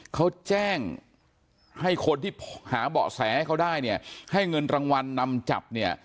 เขาแจ้งให้คนที่หาเบาะแสให้เขาได้เนี่ยให้เงินรางวัลนำจับเนี่ย